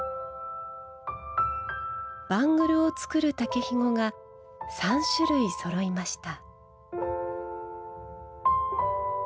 バングルを作る竹ひごが３種類そろいました。